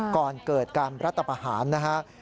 ก่อนเกิดการรัฐประหารนะครับ